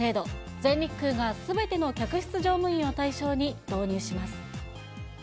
全日空がすべての客室乗務員を対象に導入します。